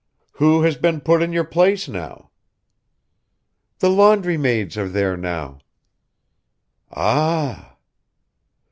"Who has been put in your place now?" "The laundrymaids are there now." "Ah!"